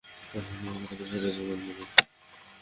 আমরা আমেরিকায় তাকে সেরা জীবন দিবো।